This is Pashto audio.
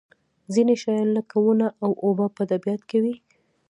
ځینې شیان لکه ونه او اوبه په طبیعت کې وي.